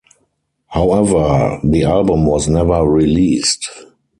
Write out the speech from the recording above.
However, the album was never released.